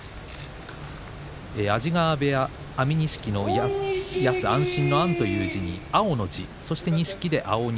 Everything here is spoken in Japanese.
安治川部屋、安美錦の安心の安という字に青の字錦で安青錦。